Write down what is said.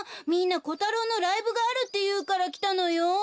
みんなコタロウのライブがあるっていうからきたのよ。